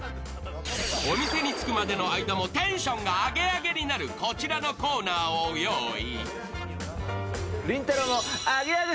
お店に着くまでの間もテンションがアゲアゲになるこちらのコーナーを用意。